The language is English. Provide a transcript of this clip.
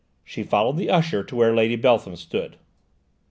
She followed the usher to where Lady Beltham stood.